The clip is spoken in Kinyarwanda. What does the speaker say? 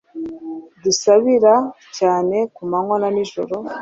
Dusabira cyane ku manywa na nijoro,